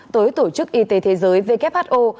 tới tổ chức y tế thế giới who